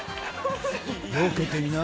よけてみな。